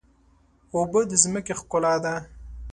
اوبه د ځمکې ښکلا ده.